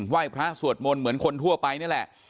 ไหว้พระสวดมนต์เหมือนคนทั่วไปนี่แหละ